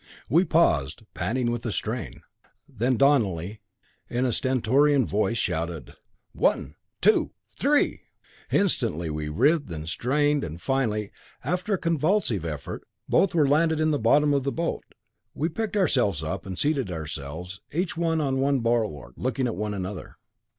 '" We paused, panting with the strain; then Donelly, in a stentorian voice, shouted: "One two three!" Instantly we writhed and strained, and finally, after a convulsive effort, both were landed in the bottom of the boat. We picked ourselves up and seated ourselves, each on one bulwark, looking at one another.